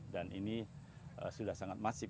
dan ini sudah sangat masih